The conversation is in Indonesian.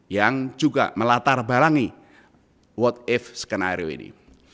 yang juga melatar barangi what if skenario ini